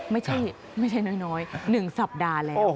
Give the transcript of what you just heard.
ไม่ใช่น้อย๑สัปดาห์แล้ว